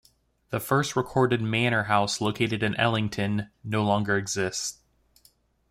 The first recorded manor house located in Ellington no longer exists.